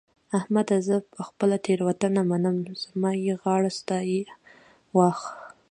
احمده! زه خپله تېرونته منم؛ زما يې غاړه ستا يې واښ.